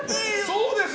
そうです！